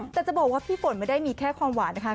แต่จะบอกว่าพี่ฝนไม่ได้มีแค่ความหวานนะคะ